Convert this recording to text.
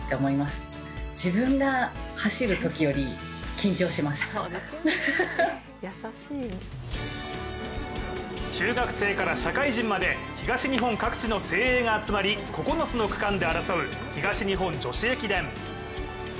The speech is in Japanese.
優苗選手のそんな姿に有紀子さんは中学生から社会人まで東日本各地の精鋭が集まり９つの区間で争う東日本女子駅伝。